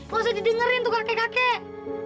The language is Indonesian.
gak usah didengerin tuh kakek kakek